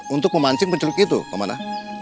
untuk memancing penceluk itu kemana